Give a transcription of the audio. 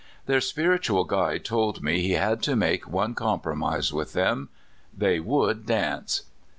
Their spiritual guide told me he had to make one compromise with them — they would dance.